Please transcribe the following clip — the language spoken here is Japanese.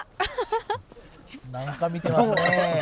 何か見てますね。